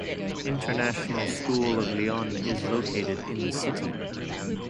International School of Lyon is located in the city.